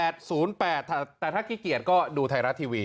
แต่ถ้าขี้เกียจก็ดูไทยรัฐทีวี